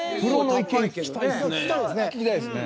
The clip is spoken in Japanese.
聞きたいですね。